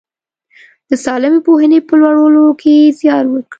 د سالمې پوهنې په لوړولو کې زیار وکړي.